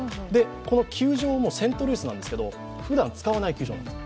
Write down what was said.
この球場もセントルイスなんですがふだん使わない会場なんです。